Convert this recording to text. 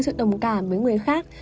sự đồng cảm với người khác